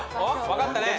分かったね。